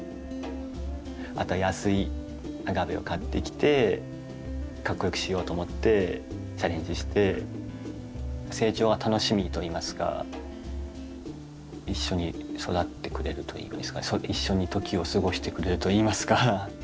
あとは安いアガベを買ってきてかっこよくしようと思ってチャレンジして成長が楽しみといいますか一緒に育ってくれるというんですか一緒に時を過ごしてくれるといいますか。